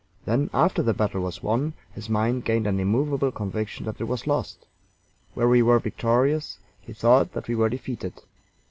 Then, after the battle was won, his mind gained an immovable conviction that it was lost. Where we were victorious, he thought that we were defeated.